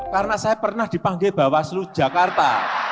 karena saya pernah dipanggil bawah selu jakarta